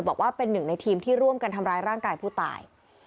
บอกว่าเป็นหนึ่งในทีมที่ร่วมกันทำร้ายร่างกายผู้ตาย